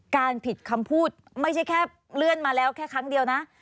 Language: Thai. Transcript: การผิดคำพูดไม่ใช่แค่เลื่อนมาแล้วแค่ครั้งเดียวนะ